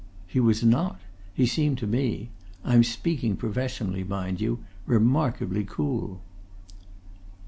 "He was not. He seemed to me I'm speaking professionally, mind you remarkably cool."